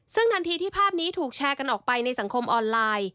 ซึ่งทันทีที่ภาพนี้ถูกแชร์กันออกไปในสังคมออนไลน์